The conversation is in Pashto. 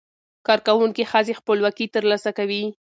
کارکوونکې ښځې خپلواکي ترلاسه کوي.